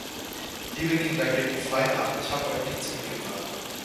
Liebe Kinder gebt fein Acht, ich habe euch nichts mitgebracht.